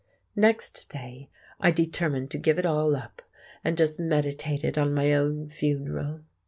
Next day I determined to give it all up, and just meditated on my own funeral.